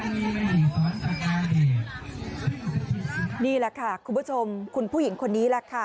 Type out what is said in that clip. นี่แหละค่ะคุณผู้ชมคุณผู้หญิงคนนี้แหละค่ะ